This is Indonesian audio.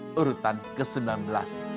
urutan ke sembilan belas